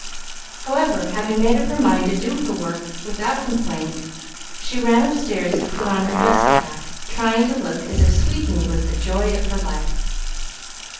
However, having made up her mind to do her work without complaint, she ran upstairs to put on her dust cap, trying to look as if sweeping was the joy of her life.